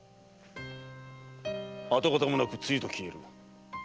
跡形もなく露と消える。